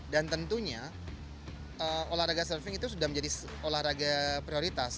dan tentunya olahraga surfing itu sudah menjadi olahraga prioritas